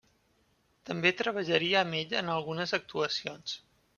També treballaria amb ell en algunes actuacions.